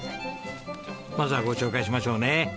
まずはご紹介しましょうね。